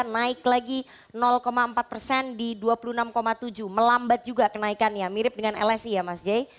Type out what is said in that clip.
naik lagi empat persen di dua puluh enam tujuh melambat juga kenaikannya mirip dengan lsi ya mas j